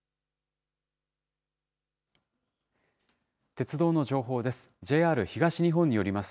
鉄道の情報です。